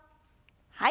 はい。